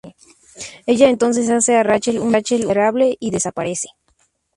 Ella entonces hace a Rachel una miserable y desaparece.